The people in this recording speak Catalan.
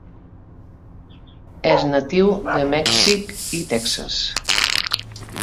És natiu de Mèxic i Texas.